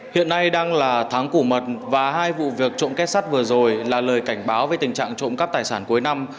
hiện nay đang là tháng cổ mật và hai vụ việc trộm kết sắt vừa rồi là lời cảnh báo về tình trạng trộm cắp tài sản cuối năm